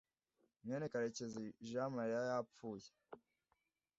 mwene karekezi jean marie yapfuye